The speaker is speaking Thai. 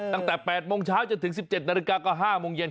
ตั้งแต่๘โมงเช้าจนถึง๑๗นาฬิกาก็๕โมงเย็น